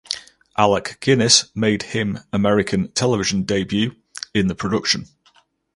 Alec Guinness made him American television debut in the production.